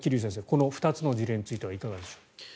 この２つの事例についてはいかがでしょうか。